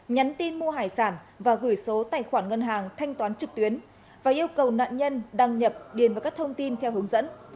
nhắn tin mua hải sản và gửi số tài khoản ngân hàng thanh toán trực tuyến và yêu cầu nạn nhân đăng nhập điền vào các thông tin theo hướng dẫn